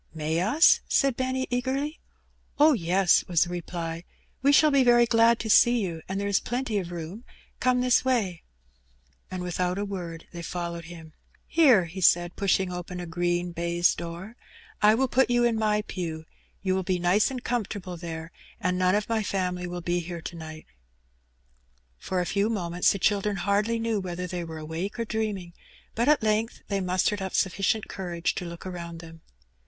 '^ May us?^' said Benny, eagerly. Oh, yes,^^ was the reply; ''we shall be very glad to jee you, and there is plenty of room; come this way/^ And without a word they followed him. "Here," he said, pushing open a green baize door. ''I wrill put you in my pew; you will be nice and comfortable lihere, and none of my family will be here to night." For a few moments the children hardly knew whether Ihey were awake or dreaming; but at length they mustered up sufficient courage to look around them.